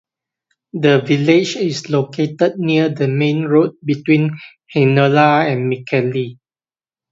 The village is located near the main road between Heinola and Mikkeli.